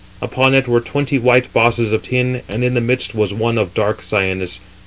Upon it were twenty white bosses of tin, and in the midst was [one] of dark cyanus.